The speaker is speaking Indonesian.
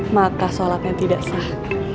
maka sholatnya tidak sah